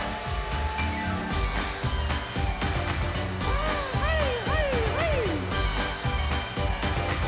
はいはいはいはい！